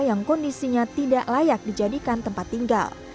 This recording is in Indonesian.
yang kondisinya tidak layak dijadikan tempat tinggal